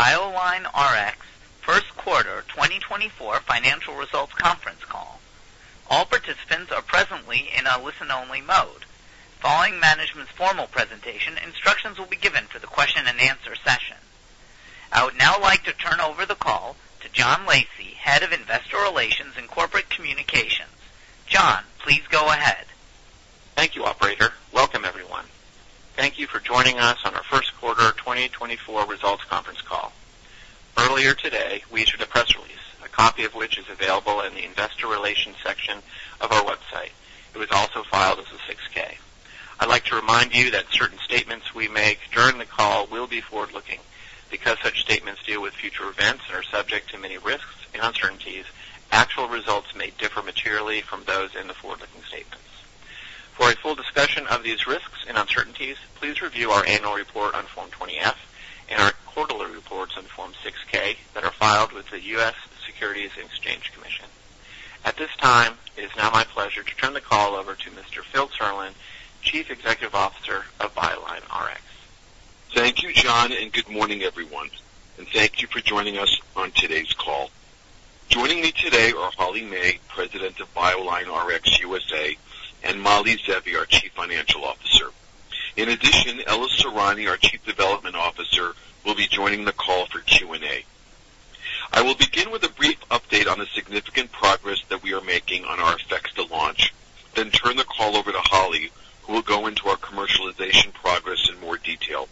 Ladies and gentlemen, thank you for standing by. Welcome to the BioLineRx first quarter 2024 financial results conference call. All participants are presently in a listen-only mode. Following management's formal presentation, instructions will be given for the question and answer session. I would now like to turn over the call to John Lacey, Head of Investor Relations and Corporate Communications. John, please go ahead. Thank you, operator. Welcome, everyone. Thank you for joining us on our first quarter 2024 results conference call. Earlier today, we issued a press release, a copy of which is available in the Investor Relations section of our website. It was also filed as a 6-K. I'd like to remind you that certain statements we make during the call will be forward-looking. Because such statements deal with future events and are subject to many risks and uncertainties, actual results may differ materially from those in the forward-looking statements. For a full discussion of these risks and uncertainties, please review our annual report on Form 20-F and our quarterly reports on Form 6-K that are filed with the U.S. Securities and Exchange Commission. At this time, it is now my pleasure to turn the call over to Mr. Philip Serlin, Chief Executive Officer of BioLineRx. Thank you, John, and good morning, everyone, and thank you for joining us on today's call. Joining me today are Holly May, President of BioLineRx USA, and Mali Zeevi, our Chief Financial Officer. In addition, Ella Sorani, our Chief Development Officer, will be joining the call for Q&A. I will begin with a brief update on the significant progress that we are making on our efforts to launch, then turn the call over to Holly, who will go into our commercialization progress in more detail.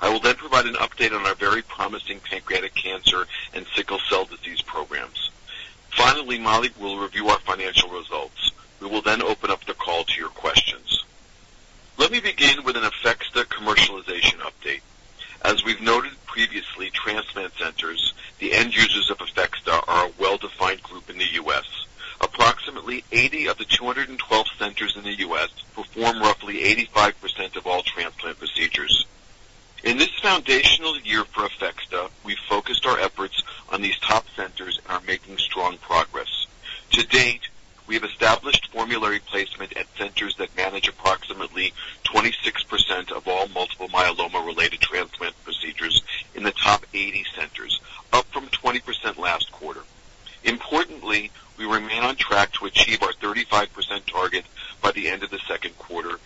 I will then provide an update on our very promising pancreatic cancer and sickle cell disease programs. Finally, Mali will review our financial results. We will then open up the call to your questions. Let me begin with an APHEXDA commercialization update. As we've noted previously, transplant centers, the end users of APHEXDA, are a well-defined group in the U.S. Approximately 80 of the 212 centers in the U.S. perform roughly 85% of all transplant procedures. In this foundational year for APHEXDA, we focused our efforts on these top centers and are making strong progress. To date, we have established formulary placement at centers that manage approximately 26% of all multiple myeloma-related transplant procedures in the top 80 centers, up from 20% last quarter. Importantly, we remain on track to achieve our 35% target by the end of the second quarter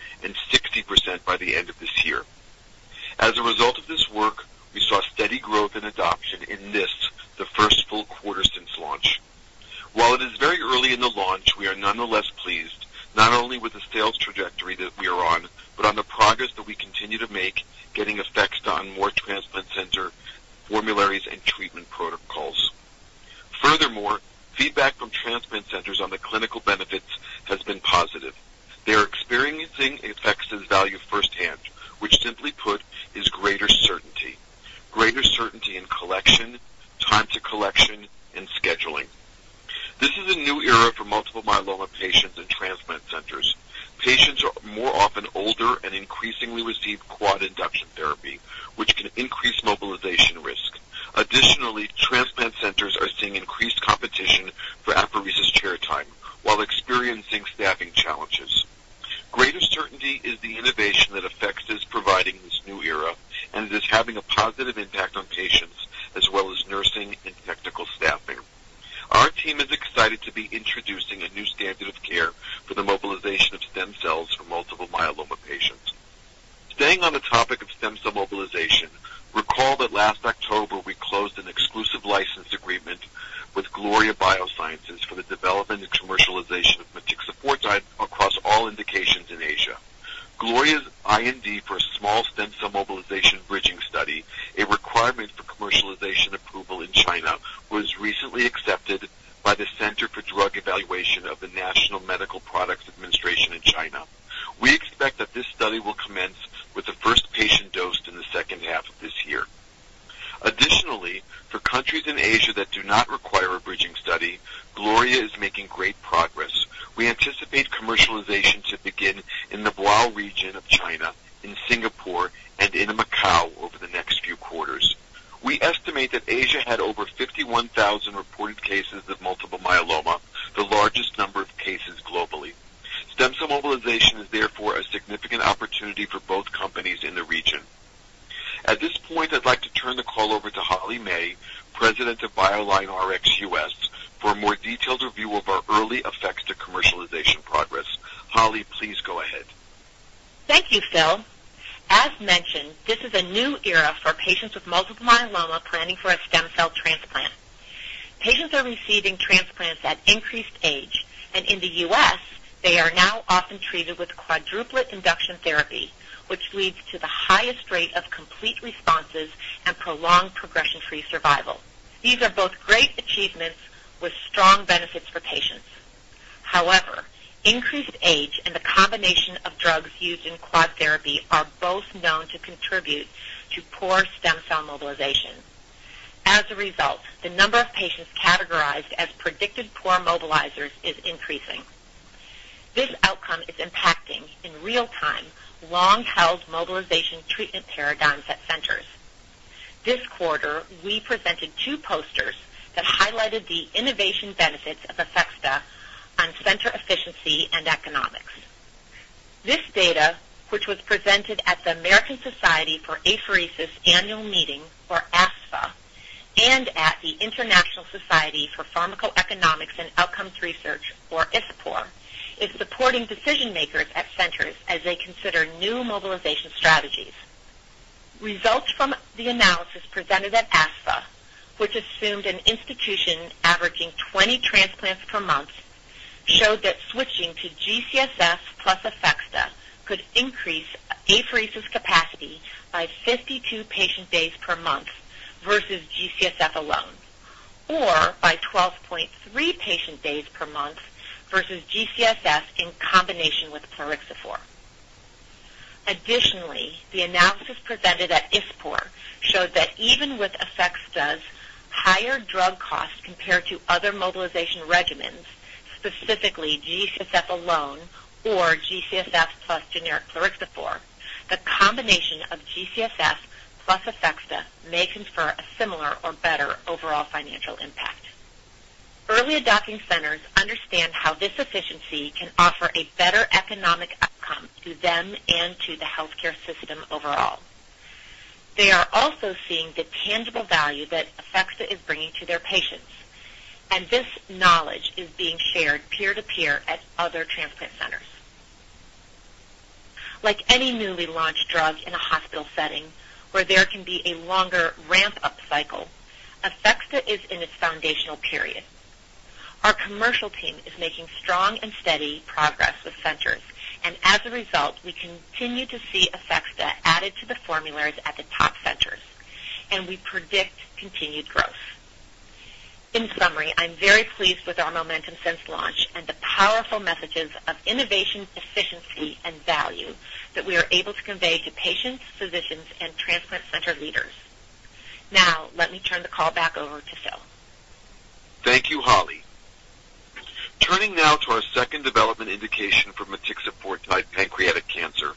Stem cell mobilization is therefore a significant opportunity for both companies in the region. At this point, I'd like to turn the call over to Holly May, President of BioLineRx USA, for a more detailed review of our early efforts to commercialization progress. Holly, please go ahead. Thank you, Phil. As mentioned, this is a new era for patients with multiple myeloma planning for a stem cell transplant. Patients are receiving transplants at increased age, and in the U.S., they are now often treated with quadruplet induction therapy, which leads to the highest rate of complete responses and prolonged progression-free survival. These are both great achievements with strong benefits for patients. However, increased age and the combination of drugs used in quad therapy are both known to contribute to poor stem cell mobilization. As a result, the number of patients categorized as predicted poor mobilizers is increasing. This outcome is impacting, in real time, long-held mobilization treatment paradigms at centers. This quarter, we presented two posters that highlighted the innovation benefits of APHEXDA on center efficiency and economics. This data, which was presented at the American Society for Apheresis Annual Meeting, or ASFA, and at the International Society for Pharmacoeconomics and Outcomes Research, or ISPOR, is supporting decision-makers at centers as they consider new mobilization strategies. Results from the analysis presented at ASFA, which assumed an institution averaging 20 transplants per month, showed that switching to G-CSF plus APHEXDA could increase apheresis capacity by 52 patient days per month versus G-CSF alone, or by 12.3 patient days per month versus G-CSF in combination with plerixafor. Additionally, the analysis presented at ISPOR showed that even with APHEXDA's higher drug costs compared to other mobilization regimens, specifically G-CSF alone or G-CSF plus generic plerixafor, the combination of G-CSF plus APHEXDA may confer a similar or better overall financial impact. Early adopting centers understand how this efficiency can offer a better economic outcome to them and to the healthcare system overall. They are also seeing the tangible value that APHEXDA is bringing to their patients, and this knowledge is being shared peer-to-peer at other transplant centers. Like any newly launched drug in a hospital setting, where there can be a longer ramp-up cycle, APHEXDA is in its foundational period. Our commercial team is making strong and steady progress with centers, and as a result, we continue to see APHEXDA added to the formularies at the top centers, and we predict continued growth. In summary, I'm very pleased with our momentum since launch and the powerful messages of innovation, efficiency, and value that we are able to convey to patients, physicians, and transplant center leaders. Now, let me turn the call back over to Phil. Thank you, Holly. Turning now to our second development indication for motixafortide pancreatic cancer.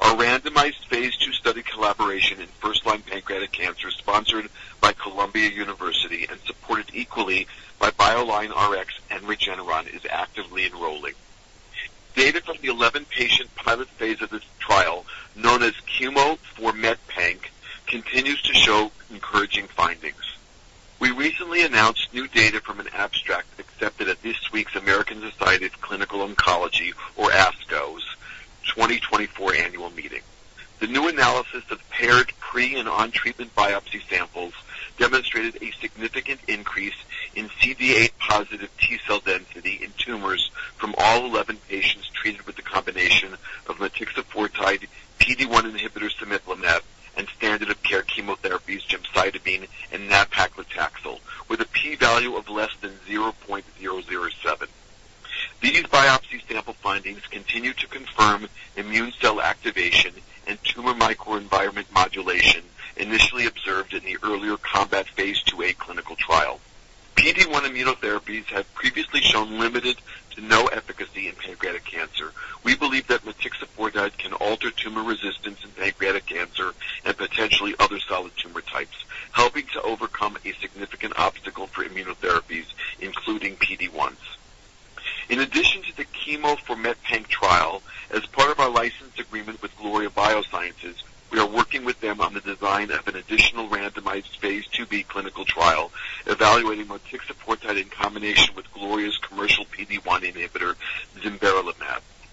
Our randomized phase II study collaboration in first-line pancreatic cancer, sponsored by Columbia University and supported equally by BioLineRx and Regeneron, is actively enrolling. Data from the 11-patient pilot phase of this trial, known as Chemo4METPANC, continues to show encouraging findings. We recently announced new data from an abstract accepted at this week's American Society of Clinical Oncology, or ASCO's, 2024 annual meeting. The new analysis of paired pre- and on-treatment biopsy samples demonstrated a significant increase in CD8-positive T cell density in tumors from all 11 patients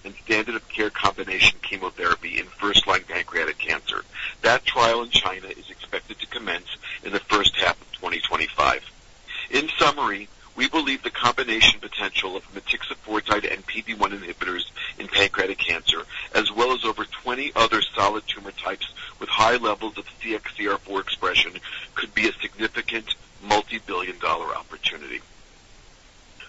and standard of care combination chemotherapy in first-line pancreatic cancer. That trial in China is expected to commence in the first half of 2025. In summary, we believe the combination potential of motixafortide and PD-1 inhibitors in pancreatic cancer, as well as over 20 other solid tumor types with high levels of CXCR4 expression, could be a significant multibillion-dollar opportunity.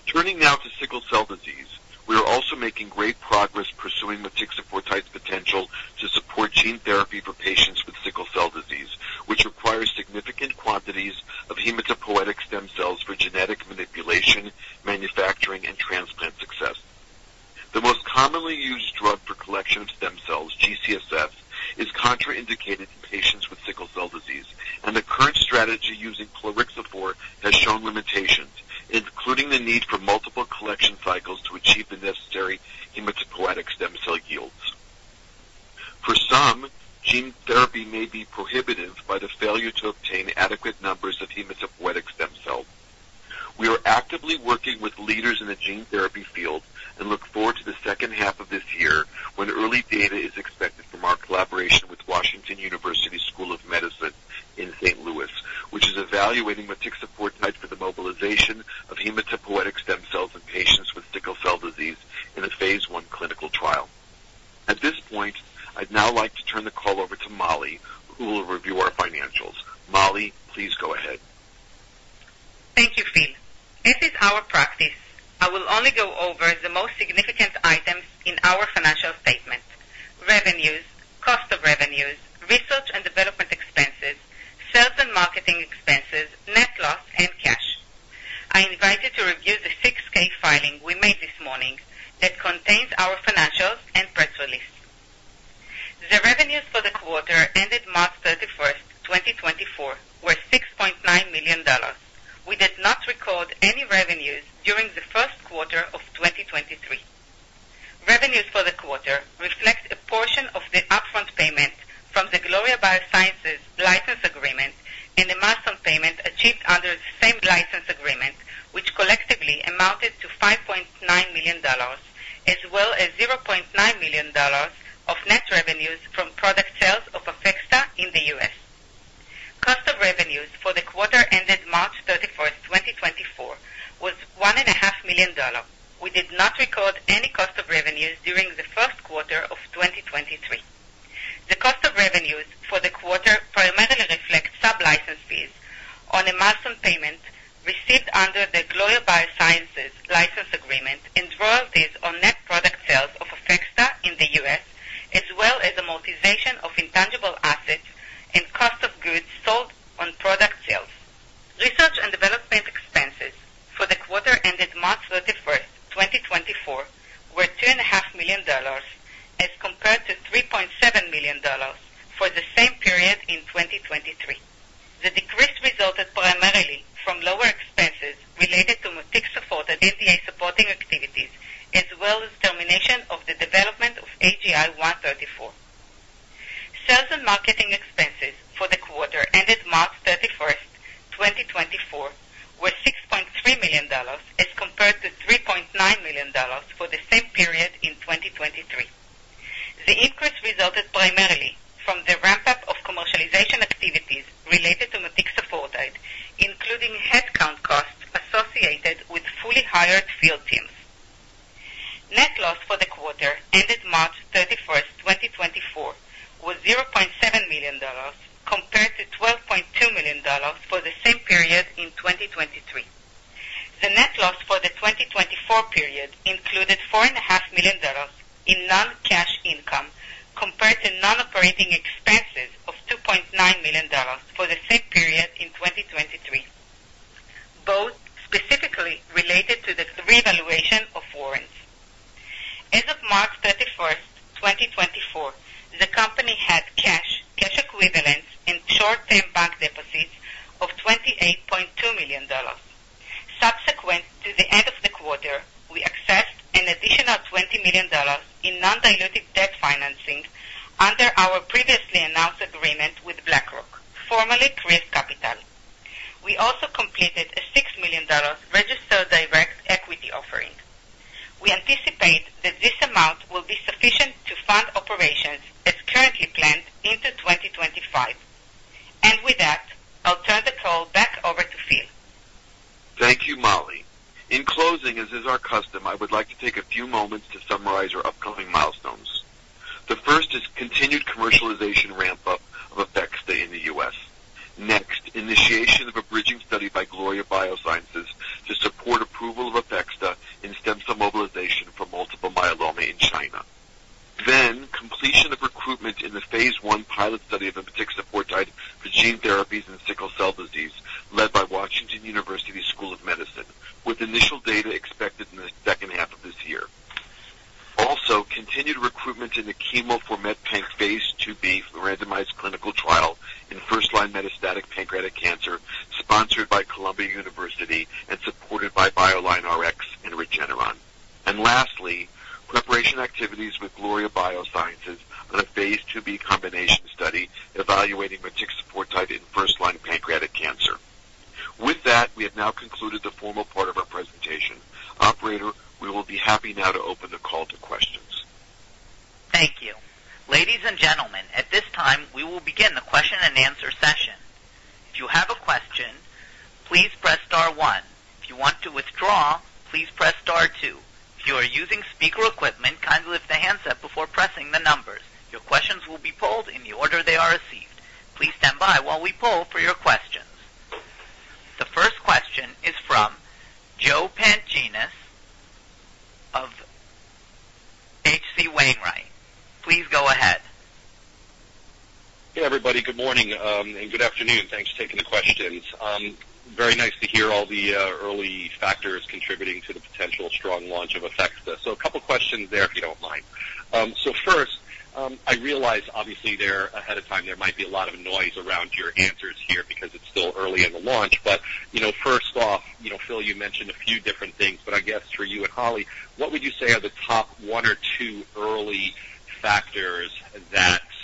Turning now to sickle cell disease. We are also making great progress pursuing motixafortide's potential to support gene therapy for patients with sickle cell disease, which requires significant quantities of hematopoietic stem cells for genetic manipulation, manufacturing, and transplant success. The most commonly used drug for collection of stem cells, G-CSF, is contraindicated in patients with sickle cell disease, and the current strategy using plerixafor has shown limitations, including the need for multiple collection cycles to achieve the necessary hematopoietic stem cell yields. For some, gene therapy may be prohibited by the failure to obtain adequate numbers of hematopoietic stem cells. We are actively working with leaders in the gene therapy field and look forward to the second half of this year, when early data is expected from our collaboration with Washington University School of Medicine in St. Louis, which is evaluating motixafortide for the mobilization of was $0.7 million, compared to $12.2 million for the same period in 2023. The net loss for the 2024 period included $4.5 million in non-cash income, compared to non-operating expenses of $2.9 million for the same period in 2023, both specifically related to the revaluation of warrants. As of March 31st, 2024, the company had cash, cash equivalents, and short-term bank deposits of $28.2 million. Subsequent to the end of the quarter, we accessed an additional $20 million in non-dilutive debt financing under our previously announced agreement with BlackRock, formerly Kreos Capital. We also completed a $6 million registered direct equity offering. We anticipate that this amount will be sufficient to fund operations as currently planned into 2025. With that, I'll turn the call back over to Phil. Thank you, Mali. In closing, as is our custom, I would like to take a few moments to summarize our upcoming milestones. The first is continued commercialization ramp-up of APHEXDA in the U.S. Next, initiation of a bridging study by Gloria Biosciences to support approval of APHEXDA in stem cell mobilization for multiple myeloma in China. Then completion of recruitment in the phase I pilot study of motixafortide for gene therapies in sickle cell disease, led by Washington University School of Medicine, with initial data expected in the second half of this year. Also, continued recruitment in the Chemo4METPANC phase II-B randomized clinical trial in first-line metastatic pancreatic cancer,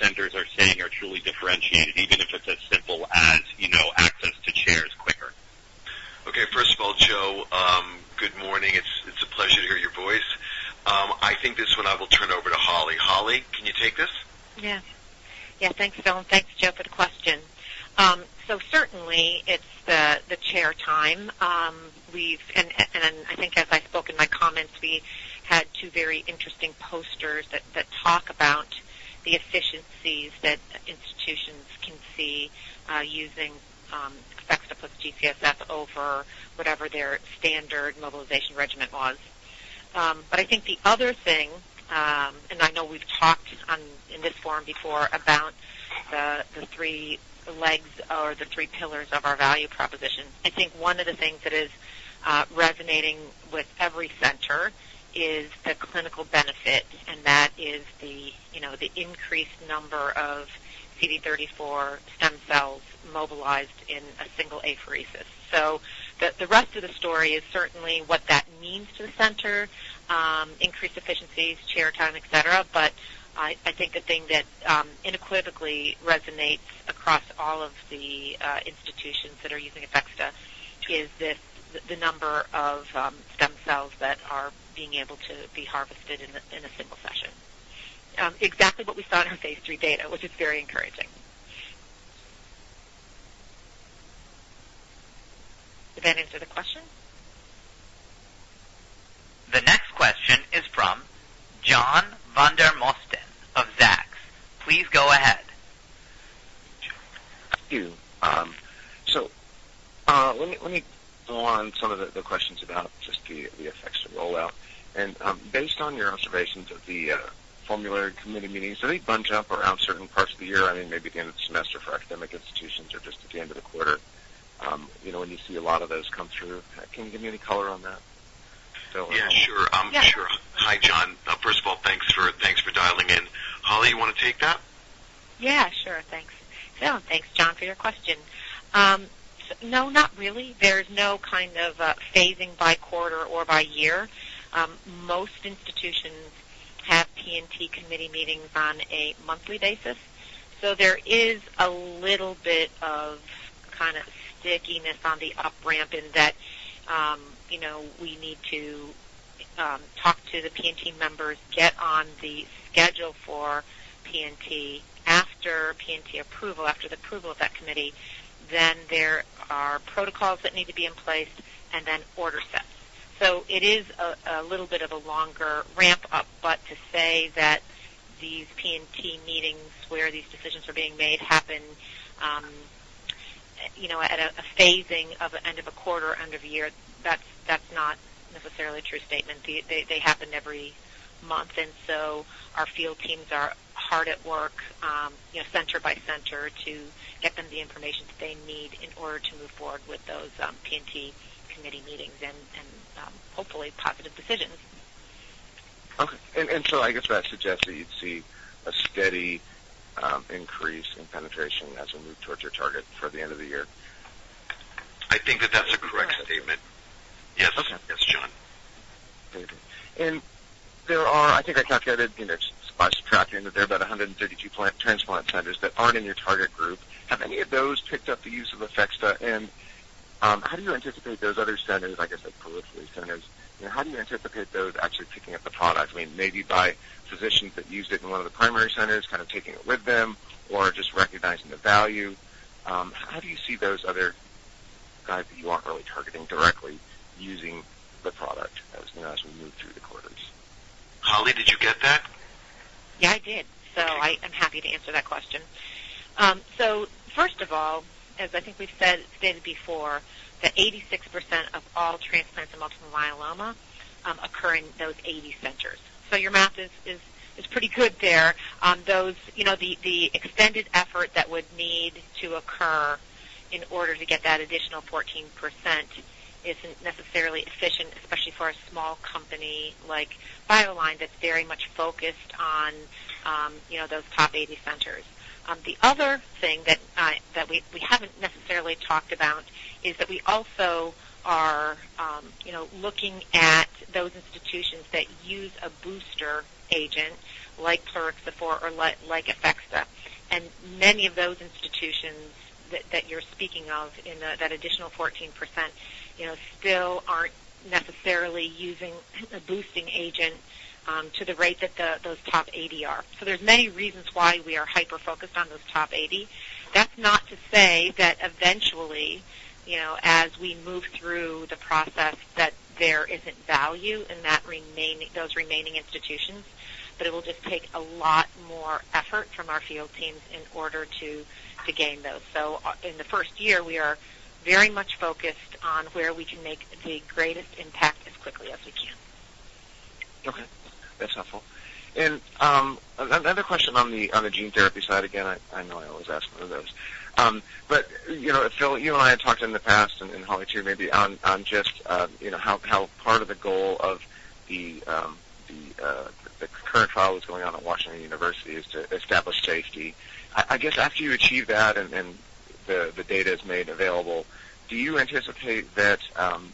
centers are saying are truly differentiated, even if it's as simple as, you know, access to chairs quicker? Okay. First of all, Joe, good morning. It's a pleasure to hear your voice. I think this one I will turn over to Holly. Holly, can you take this? Yeah. Thanks, Phil, and thanks, Joe, for the question. So certainly it's the chair time. And I think as I spoke in my comments, we had two very interesting posters that talk about the efficiencies that institutions can see using APHEXDA plus G-CSF over whatever their standard mobilization regimen was. But I think the other thing, and I know we've talked in this forum before about the three legs or the three pillars of our value proposition. I think one of the things that is resonating with every center is the clinical benefit, and that is the, you know, the increased number of CD34 stem cells mobilized in a single apheresis. So the rest of the story is certainly what that means to the center, increased efficiencies, chair time, et cetera. But I think the thing that unequivocally resonates across all of the institutions that are using APHEXDA is this, the number of stem cells that are being able to be harvested in a single session. Exactly what we saw in our phase III data, which is very encouraging. Did that answer the question? The next question is from John Vandermosten of Zacks. Please go ahead. Thank you. So, let me go on some of the questions about just the APHEXDA rollout. And, based on your observations of the formulary committee meetings, are they bunched up around certain parts of the year? I mean, maybe the end of the semester for academic institutions or just at the end of the quarter, you know, when you see a lot of those come through. Can you give me any color on that, Phil? Yeah, sure. Hi, John. First of all, thanks for, thanks for dialing in. Holly, you wanna take that? Yeah, sure. Thanks. So thanks, John, for your question. No, not really. There's no kind of phasing by quarter or by year. Most institutions have P&T committee meetings on a monthly basis, so there is a little bit of kind of stickiness on the up ramp in that, you know, we need to talk to the P&T members, get on the schedule for P&T. After P&T approval, after the approval of that committee, then there are protocols that need to be in place and then order sets. So it is a little bit of a longer ramp-up, but to say that these P&T meetings, where these decisions are being made, happen, you know, at a phasing of an end of a quarter or end of a year, that's not necessarily a true statement. They happen every month, and so our field teams are hard at work, you know, center-by- center to get them the information that they need in order to move forward with those P&T committee meetings and hopefully positive decisions. Okay. And so I guess that suggests that you'd see a steady increase in penetration as we move towards your target for the end of the year. I think that's a correct statement. Yes, John. Thank you. There are-- I think I calculated, you know, just by subtracting that there are about 152 bone marrow transplant centers that aren't in your target group. Have any of those picked up the use of APHEXDA? And, how do you anticipate those other centers, I guess, like, peripheral centers, you know, how do you anticipate those actually picking up the product? I mean, maybe by physicians that used it in one of the primary centers, kind of taking it with them or just recognizing the value. How do you see those other guys that you aren't really targeting directly using the product as, you know, as we move through the quarters? Holly, did you get that? Yeah, I did. So I am happy to answer that question. So first of all, as I think we've said, stated before, that 86% of all transplants in multiple myeloma occur in those 80 centers. So your math is pretty good there. Those, you know, the extended effort that would need to occur in order to get that additional 14% isn't necessarily efficient, especially for a small company like BioLineRx, that's very much focused on, you know, those top 80 centers. The other thing that we haven't necessarily talked about is that we also are, you know, looking at those institutions that use a booster agent like plerixafor or like APHEXDA. Many of those institutions that you're speaking of in that additional 14%, you know, still aren't necessarily using a boosting agent to the rate that those top 80 are. So there's many reasons why we are hyper-focused on those top 80. That's not to say that eventually, you know, as we move through the process, that there isn't value in that remaining those remaining institutions, but it will just take a lot more effort from our field teams in order to gain those. So in the first year, we are very much focused on where we can make the greatest impact as quickly as we can. Okay. That's helpful. And, another question on the gene therapy side. Again, I know I always ask one of those. But, you know, Phil, you and I have talked in the past and, Holly, too, maybe on just how part of the goal of the current trial that's going on at Washington University is to establish safety. I guess after you achieve that and the data is made available, do you anticipate that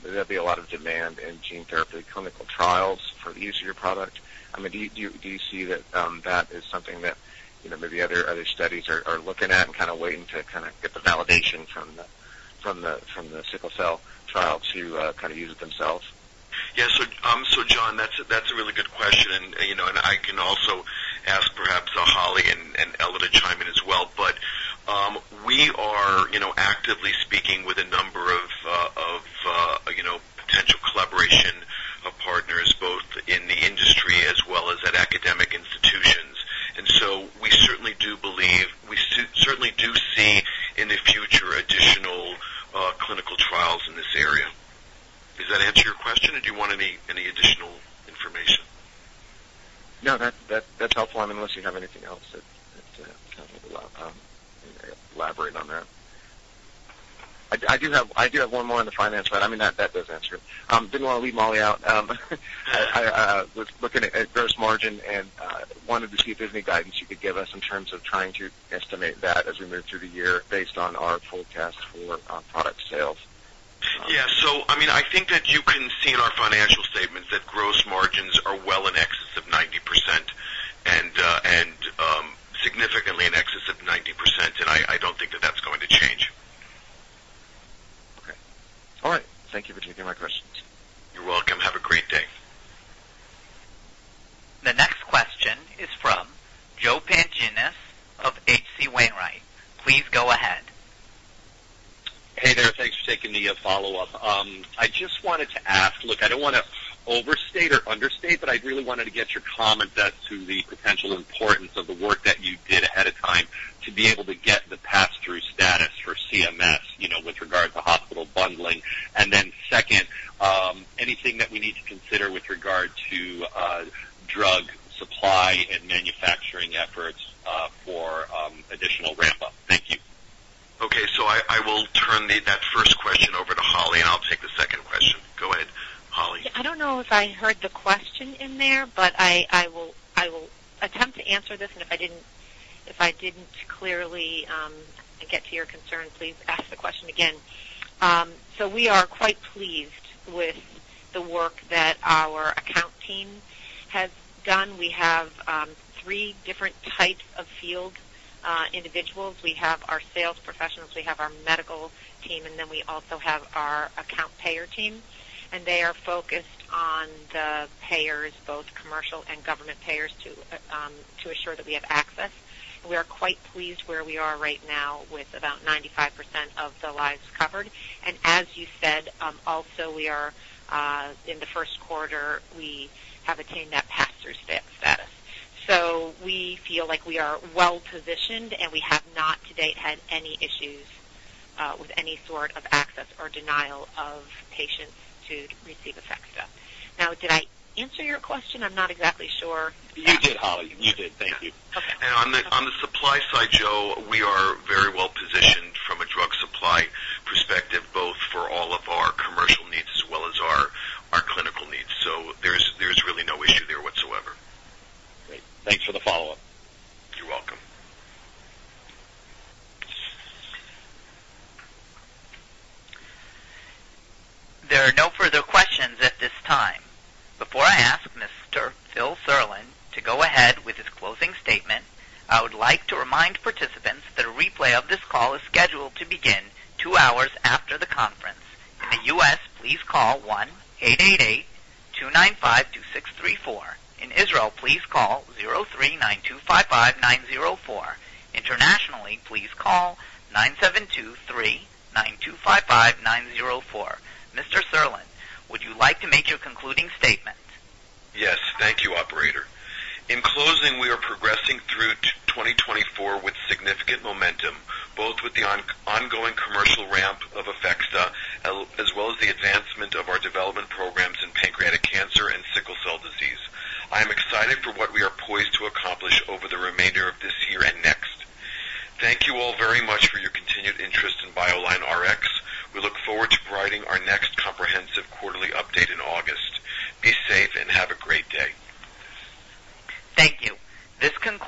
there'll be a lot of demand in gene therapy clinical trials for the use of your product? I mean, do you see that that is something that, you know, maybe other studies are looking at and kinda waiting to kinda get the validation from the sickle cell trial to kinda use it themselves? Yeah. So, John, that's a, that's a really good question. And, you know, and I can also ask perhaps, Holly and, and Ella to chime in as well. But, we are actively speaking with a number of potential collaboration of partners, both in the industry as well as at academic institutions. And so we certainly do believe we certainly do see in the future, additional, clinical trials in this area. Does that answer your question, or do you want any additional information? No, that's helpful. I mean, unless you have anything else that elaborate on that. I do have one more on the finance side. I mean, that does answer it. Didn't wanna leave Mali out. I was looking at gross margin and wanted to see if there's any guidance you could give us in terms of trying to estimate that as we move through the year based on our forecast for product sales. Yeah. So, I mean, I think that you can see in our financial statements that gross margins are well in excess of 90% and significantly in excess of 90%, and I don't think that that's going to change. Okay. All right. Thank you for taking my questions. You're welcome. Have a great day. The next question is from Joe Pantginis of H.C. Wainwright. Please go ahead. Hey there. Thanks for taking the follow-up. I just wanted to ask. Look, I don't wanna overstate or understate, but I really wanted to get your comment as to the potential importance of the work that you did ahead of time to be able to get the pass-through status for CMS, you know, with regard to hospital bundling. And then second, anything that we need to consider with regard to drug supply and manufacturing efforts for additional ramp-up? Thank you. Okay. So I will turn that first question over to Holly, and I'll take the second question. Go ahead, Holly. Yeah. I don't know if I heard the question in there, but, I will attempt to answer this, and if I didn't, if I didn't clearly get to your concern, please ask the question again. So we are quite pleased with the work that our account team has done. We have three different types of field individuals. We have our sales professionals, we have our medical team, and then we also have our account payer team, and they are focused on the payers, both commercial and government payers, to ensure that we have access. We are quite pleased where we are right now with about 95% of the lives covered. And as you said, also we are in the first quarter, we have attained that pass-through status. So we feel like we are well-positioned, and we have not to date had any issues with any sort of access or denial of patients to receive APHEXDA. Now, did I answer your question? I'm not exactly sure. You did, Holly. You did. Thank you. Okay. And on the supply side, Joe, we are very well positioned from a drug supply perspective, both for all of our commercial needs as well as our clinical needs. So there's really no issue there whatsoever. Great. Thanks for the follow-up. You're welcome. There are no further questions at this time. Before I ask Mr. Philip Serlin to go ahead with his closing statement, I would like to remind participants that a replay of this call is scheduled to begin two hours after the conference. In the U.S., please call 1-888-295-2634. In Israel, please call 03-925-5904. Internationally, please call 97-239-255-904. Mr. Serlin, would you like to make your concluding statement? Yes. Thank you, operator. In closing, we are progressing through 2024 with significant momentum, both with the ongoing commercial ramp of APHEXDA, as well as the advancement of our development programs in pancreatic cancer and sickle cell disease. I am excited for what we are poised to accomplish over the remainder of this year and next. Thank you all very much for your continued interest in BioLineRx. We look forward to providing our next comprehensive quarterly update in August. Be safe and have a great day. Thank you. This concludes--